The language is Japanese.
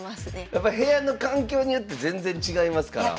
やっぱ部屋の環境によって全然違いますから。